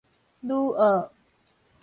女學